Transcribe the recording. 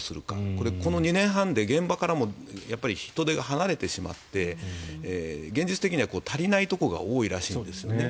これ、この２年半で現場からも人手が離れてしまって現実的には足りないところが多いらしいんですよね。